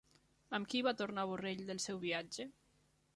Amb qui tornà Borrell del seu viatge?